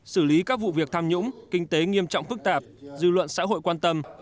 xử lý các vụ việc tham nhũng kinh tế nghiêm trọng phức tạp dư luận xã hội quan tâm